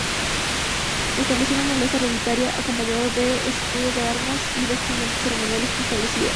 Estableció una nobleza hereditaria, acompañado de escudo de armas y vestimentas ceremoniales preestablecidas.